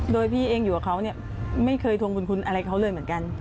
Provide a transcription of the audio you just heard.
โดยพี่เองอยู่กับเขาเนี่ยไม่เคยทวงบุญคุณอะไรเขาเลยเหมือนกัน